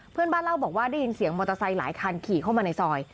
เพื่อนบ้านเล่าบอกว่าได้ยินเสียงมอเตอร์ไซค์หลายคันขี่เข้ามาในซอย